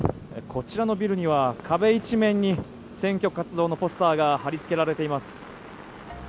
こちらのビルには壁一面に選挙活動のポスターが貼りつけられています。